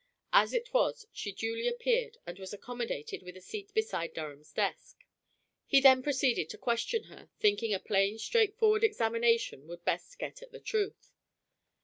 As it was she duly appeared, and was accommodated with a seat beside Durham's desk. He then proceeded to question her, thinking a plain, straightforward examination would best get at the truth.